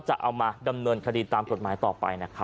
จะเอามาดำเนินคดีตามกฎหมายต่อไปนะครับ